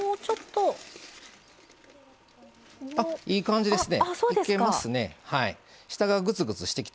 いい感じですね。